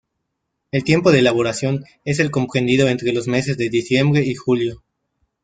El tiempo de elaboración es el comprendido entre los meses de diciembre y julio.